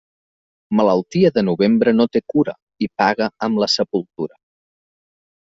Malaltia de novembre no té cura i paga amb la sepultura.